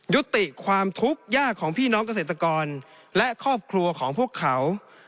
ยุติความทุกข์ยากของพี่น้องเกษตรกรและครอบครัวของพวกเขา